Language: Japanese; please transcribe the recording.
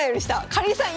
かりんさん